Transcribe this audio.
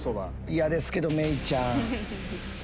嫌ですけど芽郁ちゃん。